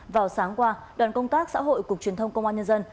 vào sáng qua đoàn công tác xã hội cục truyền thông công an nhân dân